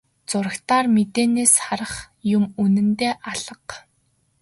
Зурагтаар мэдээнээс харах юм үнэндээ алга.